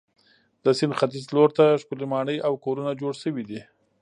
د سیند ختیځ لور ته ښکلې ماڼۍ او کورونه جوړ شوي دي.